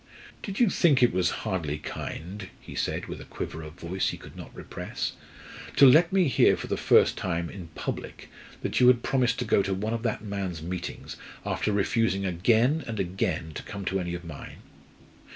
"Did you think it was hardly kind," he said with a quiver of voice he could not repress, "to let me hear for the first time, in public, that you had promised to go to one of that man's meetings after refusing again and again to come to any of mine?"